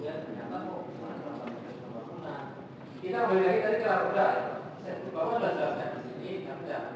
pembangunan lalu pembangunan lalu pembangunan